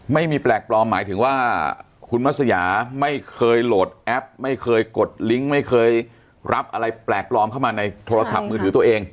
ไม่มีแปลกปลอมหมายถึงว่าคุณมัศยาไม่เคยโหลดแอปไม่เคยกดลิงก์ไม่เคยรับอะไรแปลกปลอมเข้ามาในโทรศัพท์มือถือตัวเอง